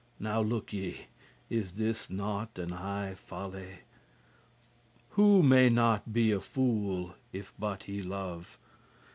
Now look ye, is not this an high folly? Who may not be a fool, if but he love?